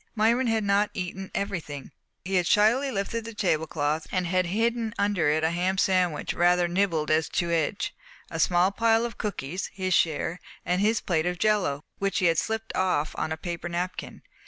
Myron had not eaten everything. He had slyly lifted the tablecloth and had hidden under it a ham sandwich rather nibbled as to edge, a small pile of cookies (his share) and his plate of jello, which he had slipped off on a paper napkin.